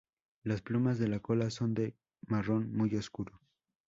Las plumas de la cola son de un marrón muy oscuro.